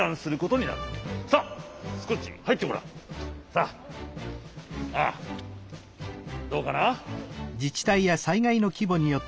さあああどうかな？